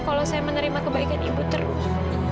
kalau saya menerima kebaikan ibu terus